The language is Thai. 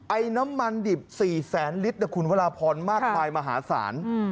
ไอน้ำมันดิบ๔๐๐๐๐๐ลิตรแต่คุณพระราพรมากมายมหาศาล